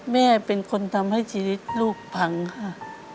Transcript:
แม่เป็นคนทำให้ชีวิตลูกพังค่ะ